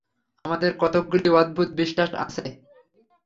আমাদের কতকগুলি অদ্ভুত বিশ্বাস আছে।